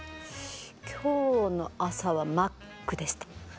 今日の朝はマックでした。